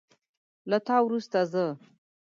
له تا وروسته زه